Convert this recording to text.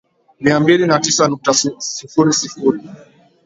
mia mbili na tisa nukta sifuri sifuri